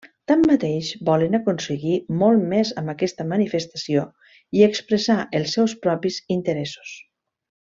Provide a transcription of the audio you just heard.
Tanmateix, volen aconseguir molt més amb aquesta manifestació i expressar els seus propis interessos.